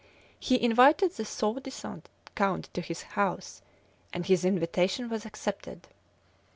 He invited the soi disant count to his house, and his invitation was accepted.